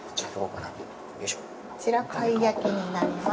こちら貝焼きになります。